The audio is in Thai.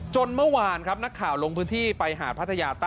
เมื่อวานครับนักข่าวลงพื้นที่ไปหาดพัทยาใต้